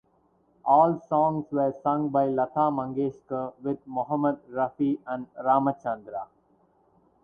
All songs were sung by Lata Mangeshkar with Mohammed Rafi and Ramachandra.